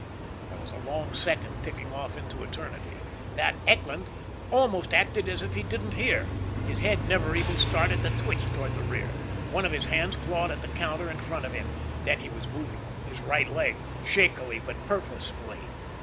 There was a long second ticking off into eternity. That Eckland almost acted as if he didn't hear. His head never even started to twitch toward the rear. One of his hands clawed at the counter in front of him. Then he was moving. His right leg. Shakily but purposefully.